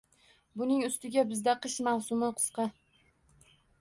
Buning ustiga bizda qish mavsumi qisqa